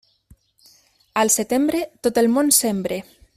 Al setembre, tot el món sembre.